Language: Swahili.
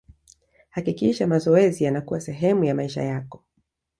hakikisha mazoezi yanakuwa sehemu ya maisha yako